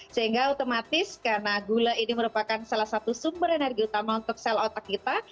sehingga otomatis karena gula ini merupakan salah satu sumber energi utama untuk sel otak kita